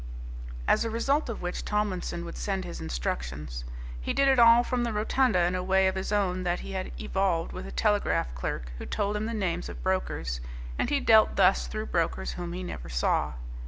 As a result of which, Tomlinson would send his instructions. He did it all from the rotunda in a way of his own that he had evolved with a telegraph clerk who told him the names of brokers, and he dealt thus through brokers whom he never saw.